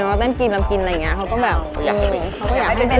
รอที่จะมาอัปเดตผลงานแล้วก็เข้าไปโด่งดังไกลถึงประเทศจีน